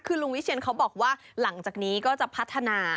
คือลุงวิเชียนเขาบอกว่าหลังจากนี้ก็จะพัฒนา